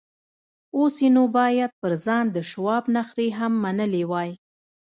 اوس يې نو بايد پر ځان د شواب نخرې هم منلې وای.